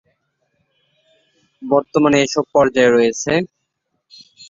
বর্তমানে এসব পর্যায় রয়েছেঃ